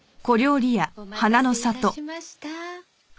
お待たせ致しました。